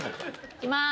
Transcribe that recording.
いきます。